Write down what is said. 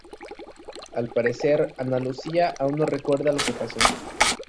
Al parecer Ana Lucía aún no recuerda lo que pasó.